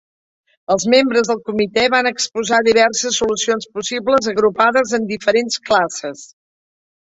Els membres del Comitè van exposar diverses solucions possibles agrupades en diferents classes.